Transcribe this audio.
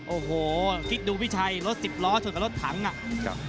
โอ้โหคิดดูพี่ชัยรถสิบล้อชนกับรถถังอ่ะครับ